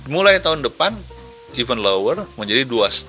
mulai tahun depan even lower menjadi dua lima